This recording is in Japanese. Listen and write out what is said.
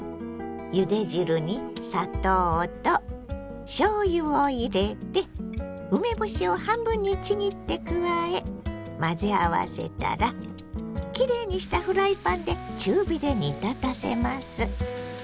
ゆで汁に砂糖としょうゆを入れて梅干しを半分にちぎって加え混ぜ合わせたらきれいにしたフライパンで中火で煮立たせます。